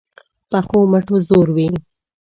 پخو مټو زور وي